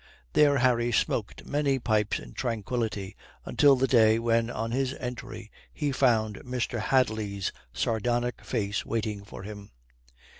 There Harry smoked many pipes in tranquillity until the day when on his entry he found Mr. Hadley's sardonic face waiting for him.